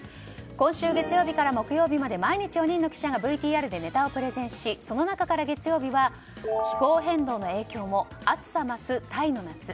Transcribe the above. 今週、月曜日から木曜日まで毎日４人の記者がＶＴＲでネタをプレゼンしその中から月曜日は気候変動の影響も暑さ増すタイの夏。